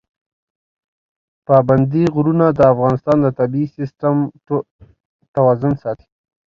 پابندی غرونه د افغانستان د طبعي سیسټم توازن ساتي.